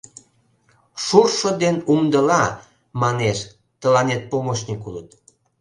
— Шуршо ден умдыла, манеш, тыланет помощник улыт.